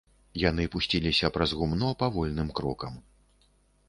Яны пусціліся праз гумно павольным крокам.